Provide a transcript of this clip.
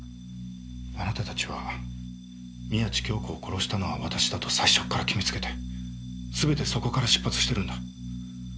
あなたたちは宮地杏子を殺したのは私だと最初から決めつけてすべてそこから出発してるんだ。